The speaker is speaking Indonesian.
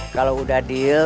kalau udah deal